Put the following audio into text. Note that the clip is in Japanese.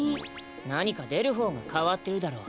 なにかでるほうがかわってるだろう。